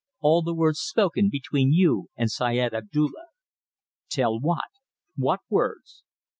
All the words spoken between you and Syed Abdulla." Tell what? What words?